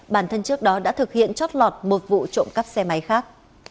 bản thân trước đó đã thực hiện chót lọt một vụ trộm cắp xe máy khác